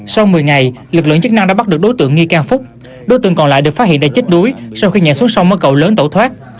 sau một mươi ngày lực lượng chức năng đã bắt được đối tượng nghi can phúc đối tượng còn lại được phát hiện đã chết đuối sau khi nhảy xuống sông ở cầu lớn tẩu thoát